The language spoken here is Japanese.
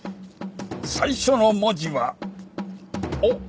最初の文字は「お」。